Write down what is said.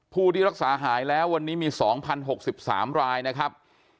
ผู้ที่รักษาหายแล้ววันนี้มี๒๐๖๓รายนะครับ